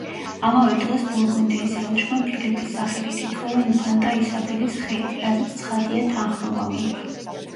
ამავე დღეს ბურგუნდიის ელჩმა ფილიპის სახელით ითხოვა ინფანტა ისაბელის ხელი, რაზეც ცხადია თანხმობა მიიღო.